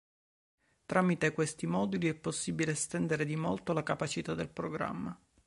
Tramite questi moduli è possibile estendere di molto le capacità del programma.